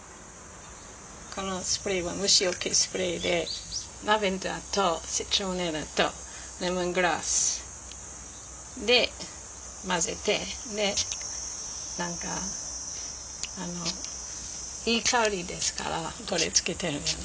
このスプレーは虫よけスプレーでラベンダーとシトロネラとレモングラスで混ぜて何かいい香りですからこれつけてるよね。